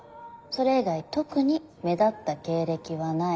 それ以外特に目立った経歴はない。